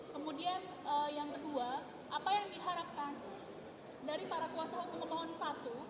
kemudian yang kedua apa yang diharapkan dari para kuasa hukum pemohon satu